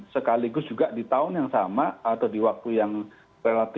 sekaligus juga di tahun yang sama atau di waktu yang relatif